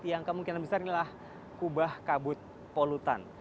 yang kemungkinan besar inilah kubah kabut polutan